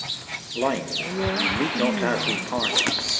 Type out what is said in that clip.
LINES: 'WE MEET NOT AS WE PARTED'.